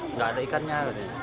nggak ada ikannya